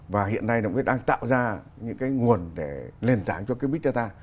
và hiện nay là ông ấy đang tạo ra những cái nguồn để lên đảng cho cái big data